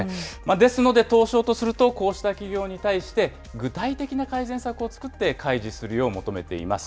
ですので東証とすると、こうした企業に対して、具体的な改善策を作って開示するよう求めています。